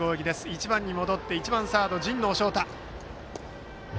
１番に戻って、１番サード神農翔多。